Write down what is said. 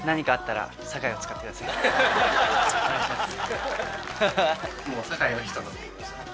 お願いします。